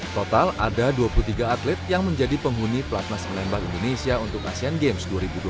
total ada dua puluh tiga atlet yang menjadi penghuni pelatnas menembak indonesia untuk asean games dua ribu dua puluh tiga